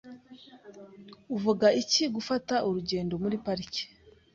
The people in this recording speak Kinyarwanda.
Uvuga iki gufata urugendo muri parike?